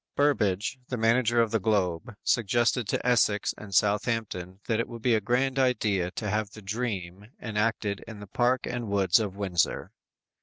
Burbage, the manager of the Globe, suggested to Essex and Southampton that it would be a grand idea to have the "Dream" enacted in the park and woods of Windsor!